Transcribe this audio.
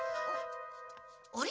あれ？